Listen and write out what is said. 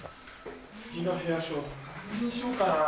次のヘアショー何にしようかな？